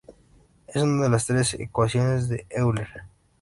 Es una de las tres ecuaciones de Euler.